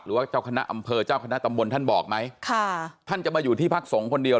ว่าเจ้าคณะอำเภอเจ้าคณะตำบลท่านบอกไหมค่ะท่านจะมาอยู่ที่พักสงฆ์คนเดียว